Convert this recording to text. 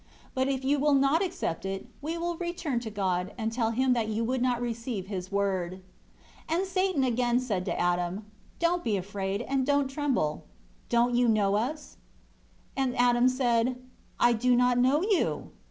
But if you will not accept it, we will return to God, and tell Him that you would not receive His Word." 7 And Satan said again to Adam, "Don't be afraid and don't tremble; don't you know us?" 8 But Adam said, "I do not know you."